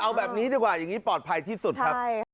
เอาแบบนี้ดีกว่าอย่างนี้ปลอดภัยที่สุดครับ